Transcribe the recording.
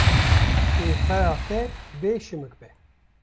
Wê xweha te bê şimik be.